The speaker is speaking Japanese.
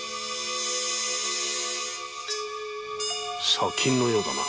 砂金のようだな。